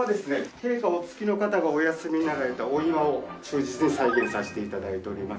警護お付きの方がお休みになられた御居間を忠実に再現させて頂いております。